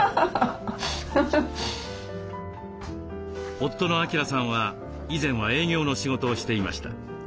夫の明さんは以前は営業の仕事をしていました。